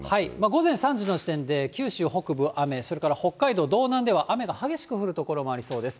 午前３時の時点で、九州北部は雨、それから北海道道南では雨が激しく降る所がありそうです。